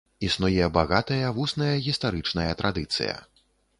Існуе багатая вусная гістарычная традыцыя.